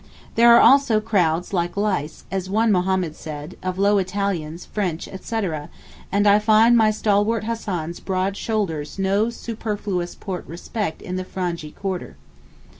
There are also crowds 'like lice' as one Mohammed said, of low Italians, French, etc., and I find my stalwart Hassan's broad shoulders no superfluous porte respect in the Frangee quarter.